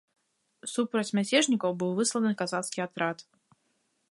Супраць мяцежнікаў быў высланы казацкі атрад.